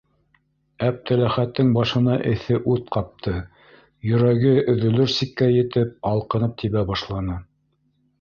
- Әптеләхәттең башына эҫе ут ҡапты, йөрәге өҙөлөр сиккә етеп алҡынып тибә башланы.